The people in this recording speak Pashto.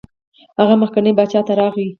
هغه مخکني باچا ته راغی.